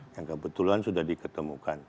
yang kebetulan sudah diketemukan